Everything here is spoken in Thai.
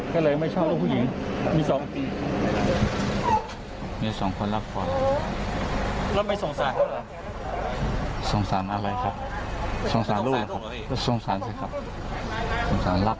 คิดมานานไหมครับก่อนที่จะทำ